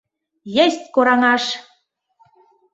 — Есть кораҥаш!